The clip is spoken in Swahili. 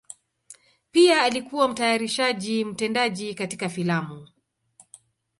Pia alikuwa mtayarishaji mtendaji katika filamu.